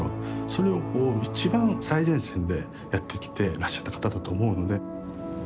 それを一番最前線でやってきてらっしゃった方だと思うので。